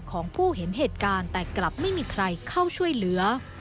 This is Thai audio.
ของผู้เห็นเหตุการณ์แต่กลับไม่มีใครเข้าช่วยเหลือ